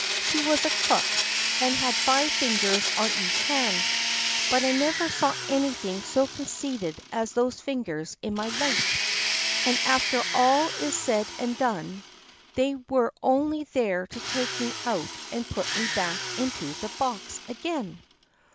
"She was a cook, and had five fingers on each hand; but I never saw anything so conceited as those fingers in my life! And after all is said and done, they were only there to take me out and put me back into the box again."